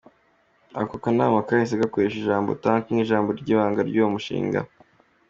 Ako Kanama kahise gakoresha ijambo “Tank” nk’ijambo ry’ibanga ry’uwo mushinga.